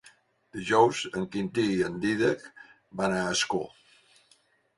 Dijous en Quintí i en Dídac van a Ascó.